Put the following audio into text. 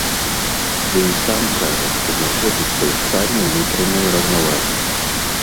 Ды і сам кажа, што знаходзіцца ў стане ўнутранай раўнавагі.